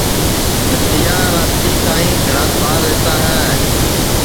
نتھیا راتی تائی گھراس ٻار رہتا ہے